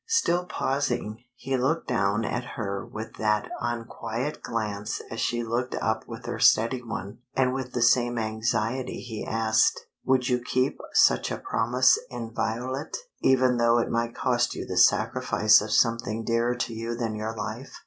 Still pausing, he looked down at her with that unquiet glance as she looked up with her steady one, and with the same anxiety he asked "Would you keep such a promise inviolate, even though it might cost you the sacrifice of something dearer to you than your life?"